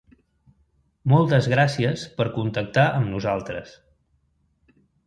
Moltes gràcies per contactar amb nosaltres.